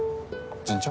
順調？